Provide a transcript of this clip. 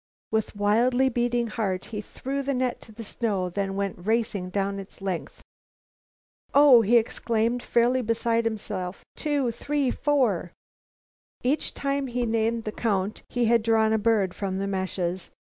With wildly beating heart, he threw the net to the snow, then went racing down its length. "One," he exclaimed, fairly beside himself, "two, three, four." Each time he named the count he had drawn a bird from the meshes.